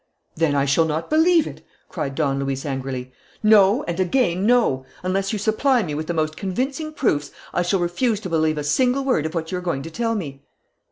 "Then I shall not believe it!" cried Don Luis angrily. "No, and again no! Unless you supply me with the most convincing proofs, I shall refuse to believe a single word of what you are going to tell me."